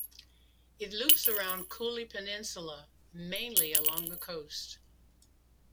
It loops around Cooley Peninsula, mainly along the coast.